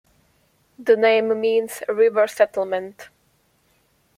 The name means "river settlement".